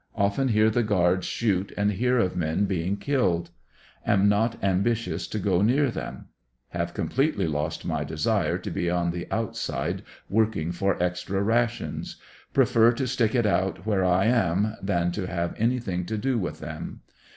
Often hear the guards shoot and hear of men being killed. Am not ambitious to go near them. Have completely lost my desire to be on the outside working for extra rations. Prefer to stick it out where I am than to have anything to do with them.